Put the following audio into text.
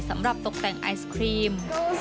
สำหรับตกแต่งไอศครีม